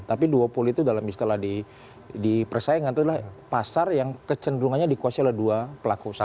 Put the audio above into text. tapi duopoly itu dalam istilah di persaingan itu adalah pasar yang kecenderungannya dikuasai oleh dua pelaku usaha